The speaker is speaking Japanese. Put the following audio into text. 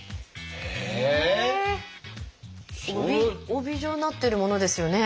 帯状になってるものですよね。